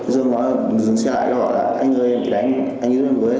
dương dừng xe lái và gọi là anh ơi em bị đánh anh ơi em với